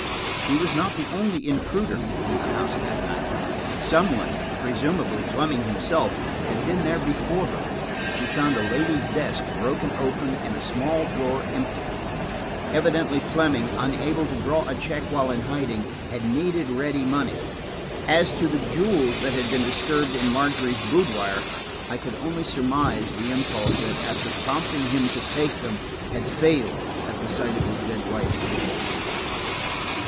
She was not the only intruder in the house that night. Some one–presumably Fleming himself–had been there before her. She found a ladies' desk broken open and a small drawer empty. Evidently Fleming, unable to draw a check while in hiding, had needed ready money. As to the jewels that had been disturbed in Margery's boudoir, I could only surmise the impulse that, after prompting him to take them, had failed at the sight of his dead wife's jewels.